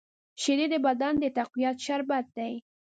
شیدې د بدن د تقویې شربت دی